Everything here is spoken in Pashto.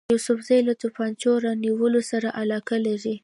یوسفزي له توپنچو رانیولو سره علاقه لري.